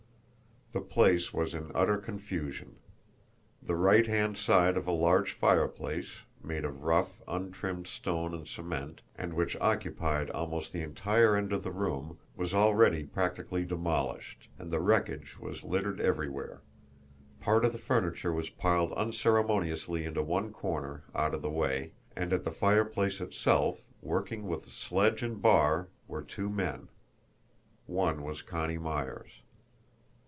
The place was in utter confusion. The right hand side of a large fireplace, made of rough, untrimmed stone and cement, and which occupied almost the entire end of the room, was already practically demolished, and the wreckage was littered everywhere; part of the furniture was piled unceremoniously into one corner out of the way; and at the fireplace itself, working with sledge and bar, were two men. One was Connie Myers.